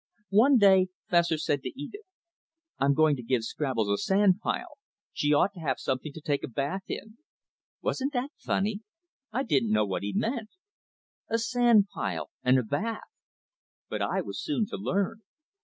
One day Fessor said to Edith: "I'm going to give Scraggles a sand pile. She ought to have something to take a bath in." Wasn't that funny? I didn't know what he meant. A sand pile, and a bath! But I was soon to learn.